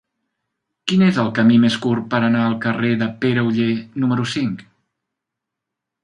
Quin és el camí més curt per anar al carrer de Pere Oller número cinc?